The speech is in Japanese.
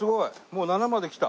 もう７まで来た。